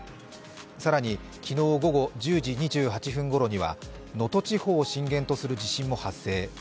更に、昨日午後１０時２８分ごろには能登地方を震源とする地震も発生。